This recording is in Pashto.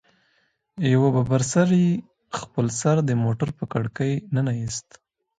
يوه ببر سري خپل سر د موټر په کړکۍ ننه ايست.